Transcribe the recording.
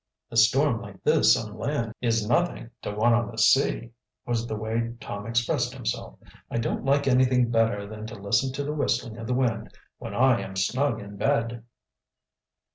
"A storm like this on land is nothing to one on the sea," was the way Tom expressed himself. "I don't like anything better than to listen to the whistling of the wind when I am snug in bed."